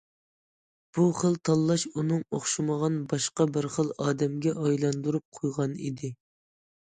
بۇ خىل تاللاش ئۇنىڭ ئوخشىمىغان باشقا بىر خىل ئادەمگە ئايلاندۇرۇپ قويغان ئىدى.